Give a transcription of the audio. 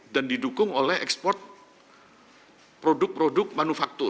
dan didukung oleh ekspor produk produk manufaktur